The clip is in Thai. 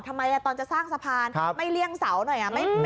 ทำไมตอนจะสร้างสะพานไม่เลี่ยงเสาหน่อย